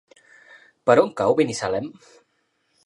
Per on cau Binissalem?